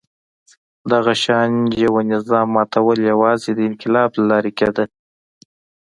دغه شان یوه نظام ماتول یوازې د انقلاب له لارې کېده.